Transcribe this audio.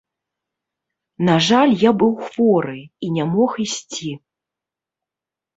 На жаль, я быў хворы і не мог ісці.